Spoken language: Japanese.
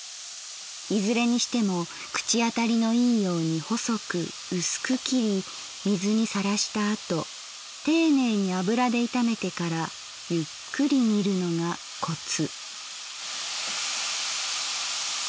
いずれにしても口あたりのいいように細くうすく切り水にさらしたあとていねいに油で炒めてからゆっくり煮るのがコツ」。